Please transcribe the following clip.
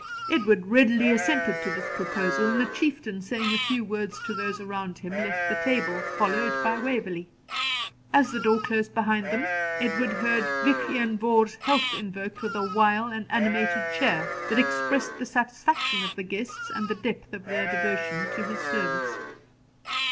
Edward readily assented to this proposal, and the Chieftain, saying a few words to those around him, left the table, followed by Waverley. As the door closed behind them, Edward heard Vich Ian Vohr's health invoked with a wild and animated cheer, that expressed the satisfaction of the guests and the depth of their devotion to his service.